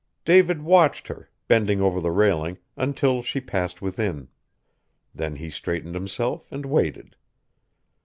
David watched her, bending over the railing, until she passed within; then he straightened himself and waited.